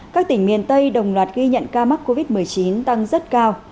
các tỉnh miền tây đồng loạt ghi nhận ca mắc covid một mươi chín tăng rất cao